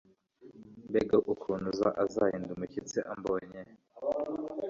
mbega ukuntu azahinda umushyitsi ambonye ubu